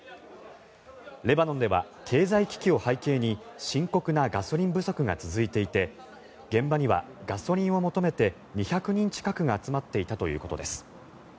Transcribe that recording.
レバノンでは経済危機を背景に深刻なガソリン不足が続いていて現場にはガソリンを求めて２００人近くが集まっていたということです。